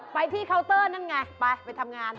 ไปที่เคาน์เตอร์นั่นไงไปไปทำงาน